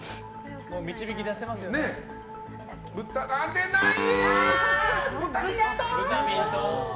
出ない。